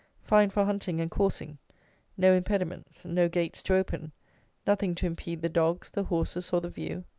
Fine for hunting and coursing: no impediments; no gates to open; nothing to impede the dogs, the horses, or the view.